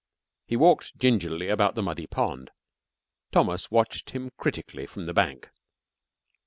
He walked gingerly about the muddy pond. Thomas watched him critically from the bank.